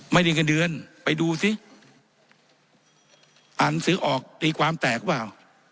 ไม่ได้เงินเดือนไปดูสิอ่านซื้อออกตีความแตกหรือเปล่า